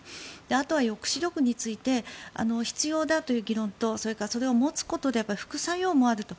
あとは抑止力について必要だという議論とそれからそれを持つことで副作用もあると。